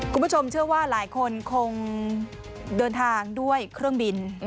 คุณผู้ชมเชื่อว่าหลายคนคงเดินทางด้วยเครื่องบิน